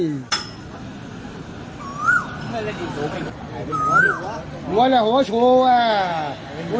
นั่นดูที่สวยด้วยน่ะ